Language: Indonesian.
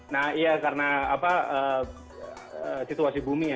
nah iya karena situasi bumi ya